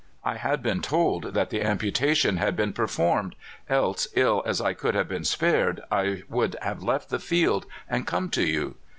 I had been told that the amputation had been performed, else, ill as I could have been spared, I would have left the field and come to you."